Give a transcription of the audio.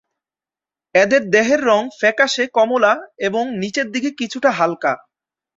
এদের দেহের রং ফ্যাকাশে-কমলা এবং নিচের দিকে কিছুটা হালকা।